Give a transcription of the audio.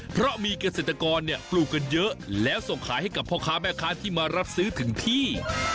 เพราะมีเกษตรกรปลูกกันเยอะแล้วส่งขายให้กับพ่อค้าแม่ค้าที่มารับซื้อถึงที่